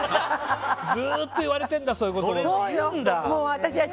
ずっと言われてるんだそういうことは。